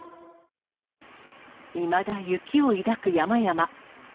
いまだ雪を抱く山々。